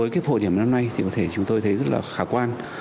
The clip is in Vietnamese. chúng tôi thấy rất là khả quan